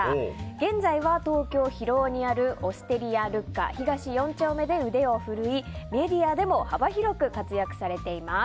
現在は東京・広尾にあるオステリアルッカ東４丁目で腕を振るい、メディアでも幅広く活躍されています。